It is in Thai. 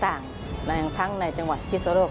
อย่างทั้งในจังหวัดพิษโลก